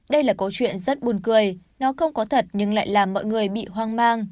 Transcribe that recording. đây là câu chuyện rất buồn cười nó không có thật nhưng lại làm mọi người bị hoang mang